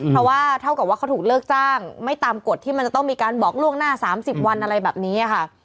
เพราะว่าเท่ากับว่าเขาถูกเลิกจ้างไม่ตามกฎที่มันจะต้องมีการบอกล่วงหน้า๓๐วันอะไรแบบนี้ค่ะ